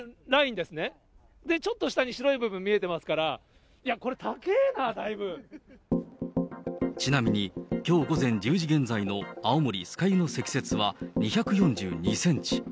で、ちょっと下に白い部分見えてますから、いや、これ、たけえなちなみに、きょう午前１０時現在の青森・酸ヶ湯の積雪は２４２センチ。